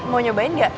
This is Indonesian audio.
mau nyobain gak